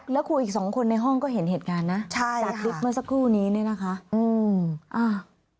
แล้วครูอีกสองคนในห้องก็เห็นเหตุการณ์นะใช่จากคลิปเมื่อสักครู่นี้เนี่ยนะคะอืมอ่า